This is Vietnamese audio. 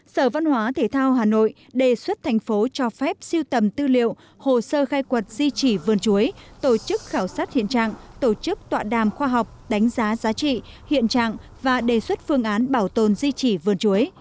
sở văn hóa thể thao hà nội đề xuất thành phố cho phép siêu tầm tư liệu hồ sơ khai quật di trì vườn chuối tổ chức khảo sát hiện trạng tổ chức tọa đàm khoa học đánh giá giá trị hiện trạng và đề xuất phương án bảo tồn di trị vườn chuối